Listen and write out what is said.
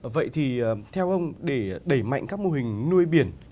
vậy thì theo ông để đẩy mạnh các mô hình nuôi biển